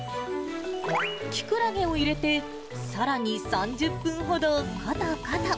キクラゲを入れてさらに３０分ほどことこと。